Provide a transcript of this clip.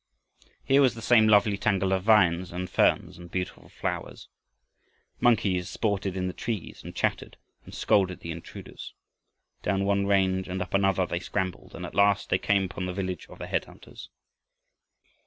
Here was the same lovely tangle of vines and ferns and beautiful flowers. Monkeys sported in the trees and chattered and scolded the intruders. Down one range and up another they scrambled and at last they came upon the village of the head hunters.